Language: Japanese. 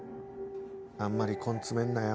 あんまり根詰めんなよ。